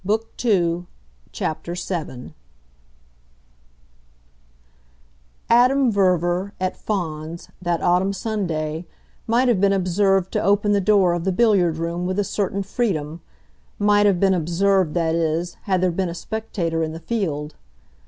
PART SECOND VII Adam Verver, at Fawns, that autumn Sunday, might have been observed to open the door of the billiard room with a certain freedom might have been observed, that is, had there been a spectator in the field.